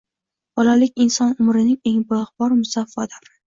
Bolalik inson umrining eng beg‘ubor, musaffo davri